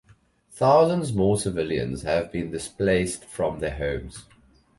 Thousands more civilians have been displaced from their homes.